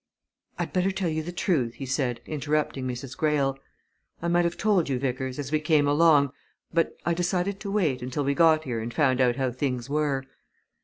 "I'd better tell you the truth," he said interrupting Mrs. Greyle. "I might have told you, Vickers, as we came along, but I decided to wait, until we got here and found out how things were.